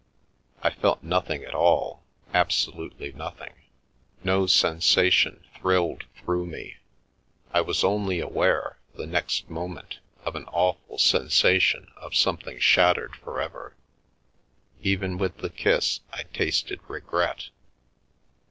I felt nothing at all, absolutely nothing. No sensation thrilled through me. I was only aware, the next mo ment, of an awful sensation of something shattered for ever; even with the kiss I tasted regret.